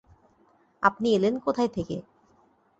আপনি এলেন কোথায় থেকে?